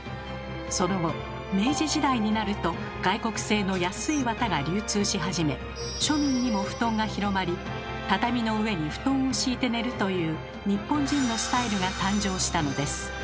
その後明治時代になると外国製の安いわたが流通し始め庶民にも布団が広まり畳の上に布団を敷いて寝るという日本人のスタイルが誕生したのです。